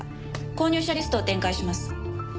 購入者リストを展開します。